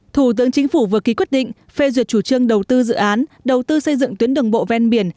thủ tướng chính phủ vừa ký quyết định phê duyệt chủ trương đầu tư dự án đầu tư xây dựng tuyến đường bộ ven biển